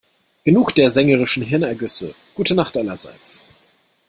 Genug der sängerischen Hirnergüsse - gute Nacht, allerseits.